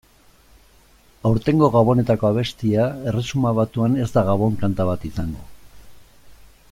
Aurtengo Gabonetako abestia Erresuma Batuan ez da gabon-kanta bat izango.